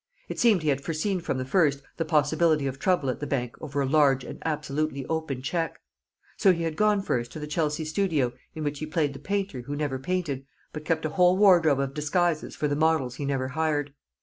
It seemed he had foreseen from the first the possibility of trouble at the bank over a large and absolutely open cheque. So he had gone first to the Chelsea studio in which he played the painter who never painted but kept a whole wardrobe of disguises for the models he never hired.